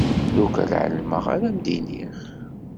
Lukan εelmeɣ ad m-d-iniɣ.